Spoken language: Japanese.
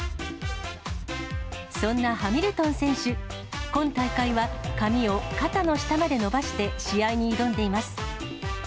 そんなハミルトン選手、今大会は髪を肩の下まで伸ばして試合に挑んでいます。